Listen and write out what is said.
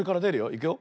いくよ。